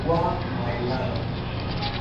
wa "My Love".